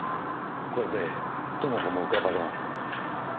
これで知子も浮かばれます。